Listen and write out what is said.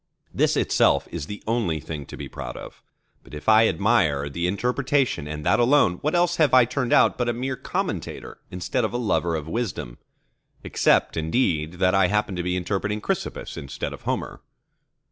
This itself is the only thing to be proud of. But if I admire the interpretation and that alone, what else have I turned out but a mere commentator instead of a lover of wisdom?—except indeed that I happen to be interpreting Chrysippus instead of Homer.